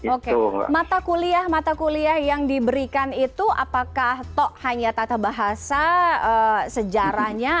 oke mata kuliah mata kuliah yang diberikan itu apakah toh hanya tata bahasa sejarahnya